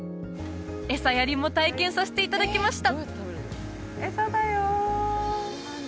餌やりも体験させていただきました